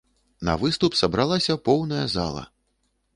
На выступ сабралася поўная зала!